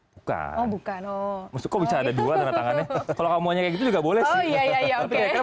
bukan bukan oh masukkan bisa ada dua tangannya kalau kamu hanya gitu juga boleh ya ya ya ya ya